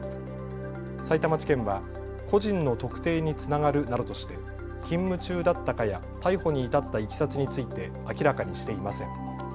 さいたま地検は個人の特定につながるなどとして勤務中だったかや逮捕に至ったいきさつについて明らかにしていません。